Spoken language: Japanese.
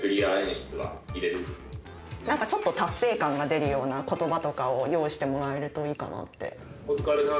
なんかちょっと達成感が出るような言葉とかを用意してもらえるといいかなって。